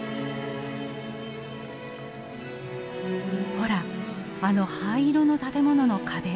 ほらあの灰色の建物の壁。